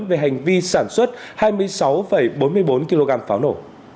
về hành vi sản xuất hai mươi sáu bốn mươi bốn kg pháo nổ